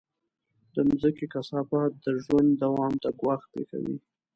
د مځکې کثافات د ژوند دوام ته ګواښ پېښوي.